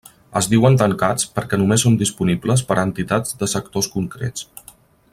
Es diuen tancats perquè només són disponibles per a entitats de sectors concrets.